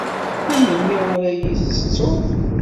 Ar melmi ara iyi-ttettuḍ?